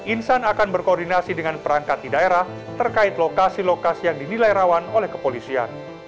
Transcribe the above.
insan akan berkoordinasi dengan perangkat di daerah terkait lokasi lokasi yang dinilai rawan oleh kepolisian